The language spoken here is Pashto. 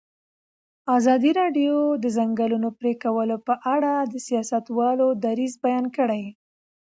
ازادي راډیو د د ځنګلونو پرېکول په اړه د سیاستوالو دریځ بیان کړی.